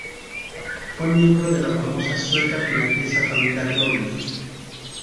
Fue miembro de la famosa sueca finlandesa familia Donner.